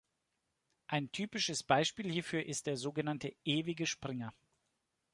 Ein typisches Beispiel hierfür ist der sogenannte Ewige Springer.